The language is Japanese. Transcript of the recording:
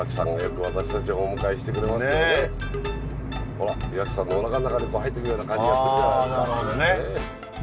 ほら岩木山のおなかの中に入っていくような感じがするじゃないですか。